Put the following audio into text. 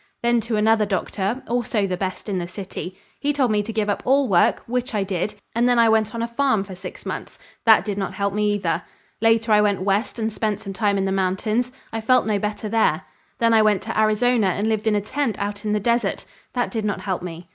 Then to another doctor also the best in the city. He told me to give up all work, which I did, and then I went on a farm for six months. That did not help me either. Later I went west and spent some time in the mountains. I felt no better there. Then I went to Arizona and lived in a tent out on the desert; that did not help me.